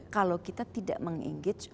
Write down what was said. kalau kita tidak meng engage